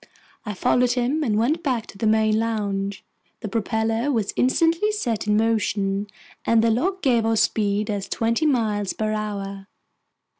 I followed him and went back to the main lounge. The propeller was instantly set in motion, and the log gave our speed as twenty miles per hour.